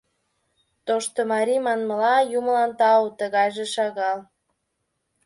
Тоштымарий манмыла, юмылан тау, тыгайже шагал.